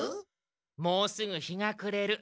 もうすぐ日が暮れる。